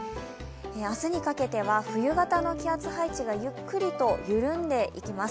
明日にかけては冬型の気圧配置がゆっくりと緩んでいきます。